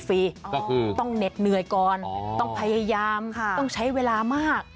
ก็คือต้องเหน็ดเหนื่อยก่อนต้องพยายามต้องใช้เวลามาก